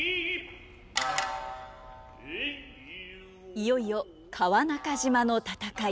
いよいよ川中島の戦い！